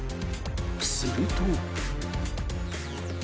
［すると］